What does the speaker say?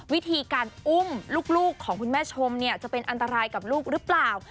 วิธีการอุ้มลูกของคุณแม่ชมเนี่ยจะเป็นอันตรายกับลูกหรือเปล่า